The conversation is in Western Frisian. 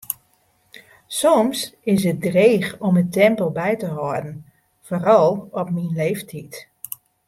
Soms is it dreech om it tempo by te hâlden, foaral op myn leeftiid.